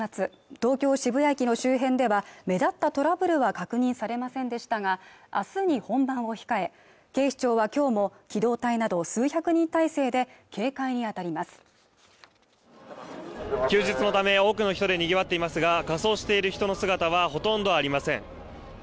東京渋谷駅の周辺では目立ったトラブルは確認されませんでしたが明日に本番を控え警視庁はきょうも機動隊など数百人態勢で警戒に当たります休日のため多くの人でにぎわっていますが仮装している人の姿はほとんどありません